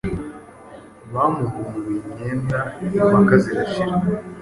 Bamuhunguye impenda impaka zirashira,